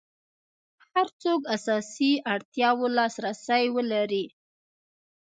هر څوک اساسي اړتیاوو لاس رسي ولري.